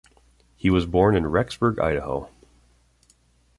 He was born in Rexburg, Idaho.